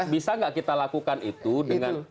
bisa nggak kita lakukan itu dengan